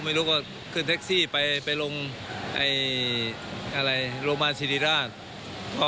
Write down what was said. ไม่รู้ก็ขึ้นแท็กซี่ไปลงอะไรโรงพยาบาลสิริราช